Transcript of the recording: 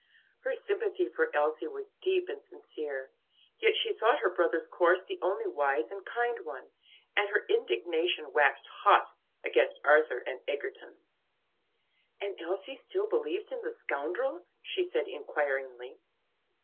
Her sympathy for Elsie was deep and sincere; yet she thought her brother's course the only wise and kind one, and her indignation waxed hot against Arthur and Egerton. "And Elsie still believes in the scoundrel?" she said inquiringly.